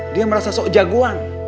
dia merasa sok jagoan